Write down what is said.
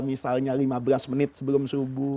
misalnya lima belas menit sebelum subuh